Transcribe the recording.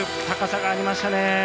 高さがありましたね。